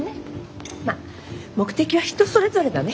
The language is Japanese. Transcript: まあ目的は人それぞれだね。